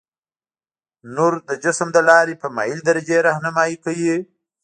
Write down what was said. نور د جسم له لارې په مایلې درجې رهنمایي کوي.